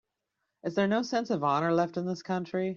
Is there no sense of honor left in this country?